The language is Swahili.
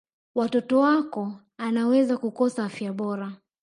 mtoto wako anaweza kukosa afya bora